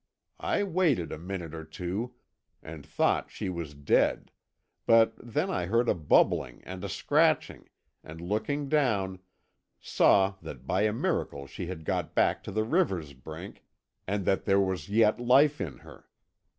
"I waited a minute or two, and thought she was dead, but then I heard a bubbling and a scratching, and, looking down, saw that by a miracle she had got back to the river's brink, and that there was yet life in her.